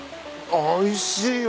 おいしいわ。